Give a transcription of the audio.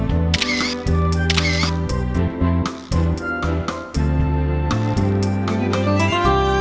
udah siap fantastis